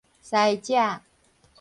饞食